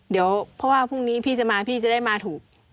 เดี๋ยวเพราะว่าพรุ่งนี้พี่จะมาพี่จะได้มาถูก